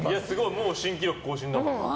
もう新記録更新だもん。